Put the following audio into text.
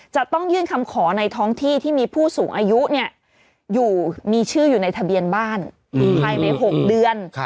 จะต้องยื่นคำขอในท้องที่ที่มีผู้สูงอายุมีชื่ออยู่ในทะเบียนบ้านภายใน๖เดือน